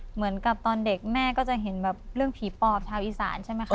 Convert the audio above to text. เหมือนกับตอนเด็กแม่ก็จะเห็นแบบเรื่องผีปอบชาวอีสานใช่ไหมคะ